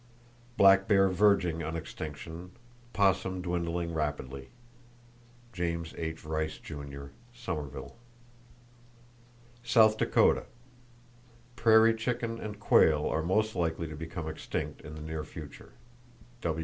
Black bear verging on extinction, opossum dwindling rapidly.—(James H. Rice Jr., Summerville.) South Dakota: Prairie chicken and quail are most likely to become extinct in the near future.